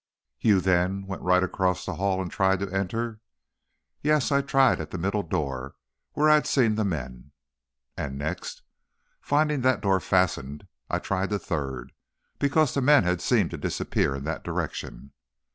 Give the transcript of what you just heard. "You, then, went right across the hall and tried to enter?" "Yes; tried to enter at the middle door, where I had seen the men." "And next?" "Finding that door fastened, I tried the third, because the men had seemed to disappear in that direction."